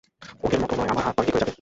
ওদের মতো নয়, আমার হাত পরে ঠিক হয়ে যাবে।